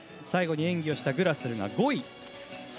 最後に演技したグラスルが５位。